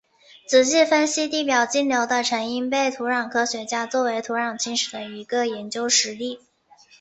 仔细分析地表径流的成因被土壤科学家作为土壤侵蚀的一个研究实例。